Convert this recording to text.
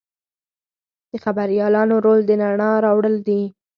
د خبریالانو رول د رڼا راوړل دي.